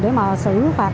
để xử lý nghiêm các vi phạm